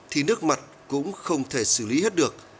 thì nước mặt cũng không thể xử lý hết được